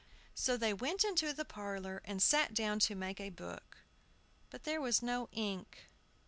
So they went into the parlor, and sat down to make a book. But there was no ink.